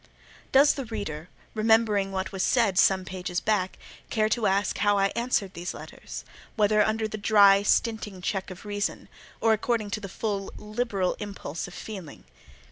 Does the reader, remembering what was said some pages back, care to ask how I answered these letters: whether under the dry, stinting check of Reason, or according to the full, liberal impulse of Feeling?